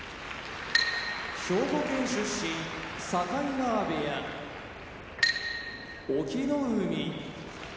兵庫県出身境川部屋隠岐の海